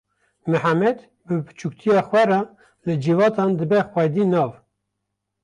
Mihemed bi biçûkatiya xwe re li civatan dibe xwedî nav.